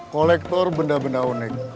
kolektor benda benda unik